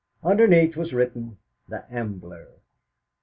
Underneath was written: "The Ambler."